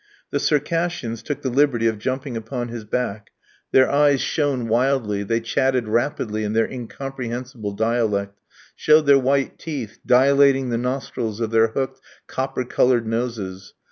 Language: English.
The Circassians took the liberty of jumping upon his back: their eyes shone wildly, they chatted rapidly in their incomprehensible dialect, showed their white teeth, dilating the nostrils of their hooked copper coloured noses.